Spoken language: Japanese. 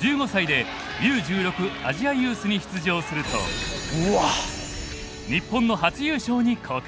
１５歳でＵ−１６アジアユースに出場すると日本の初優勝に貢献。